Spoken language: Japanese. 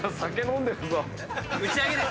打ち上げです。